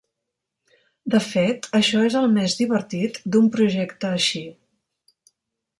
De fet, això és el més divertit d'un projecte així.